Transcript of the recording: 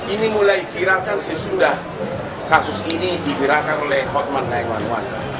ini mulai viralkan sesudah kasus ini digerakkan oleh hotman kaeman